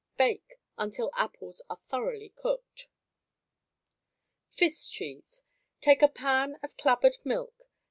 Bake until apples are thoroughly cooked. Fist Cheese Take a pan of clabbered milk.